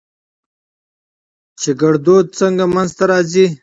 چې ګړدود څنګه منځ ته راځي؟